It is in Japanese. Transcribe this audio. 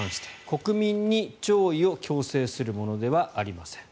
国民に弔意を強制するものではありません。